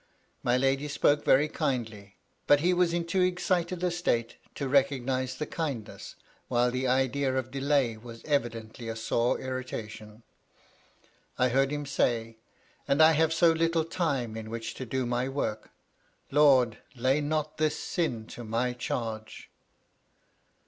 My lady spoke very kindly ; but he was in too ex cited a state to recognise the kindness, while the idea of delay was evidently a sore irritation. I heard him say : "And I have so little time in which to do my work. Lord ! lay not this sin to my charge."